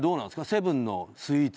セブンのスイーツ